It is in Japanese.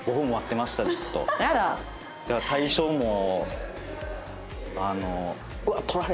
だから最初はもうあの。